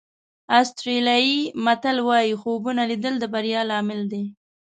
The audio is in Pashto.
آسټرالیایي متل وایي خوبونه لیدل د بریا لامل دي.